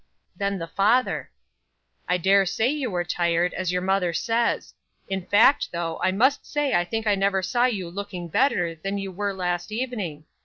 Then the father: "I dare say you were tired, as your mother says; in fact, though, I must say I think I never saw you looking better than you were last evening.